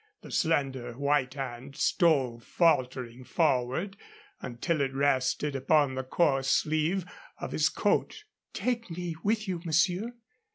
The slender white hand stole faltering forward until it rested upon the coarse sleeve of his coat. "Take me with you, monsieur.